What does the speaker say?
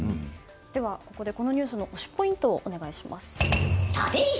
このニュースの推しポイントをお願いします。